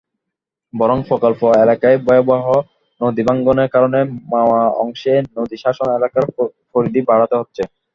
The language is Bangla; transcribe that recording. বরং প্রকল্প এলাকায় ভয়াবহ নদীভাঙনের কারণে মাওয়া অংশে নদীশাসন এলাকার পরিধি বাড়াতে হচ্ছে।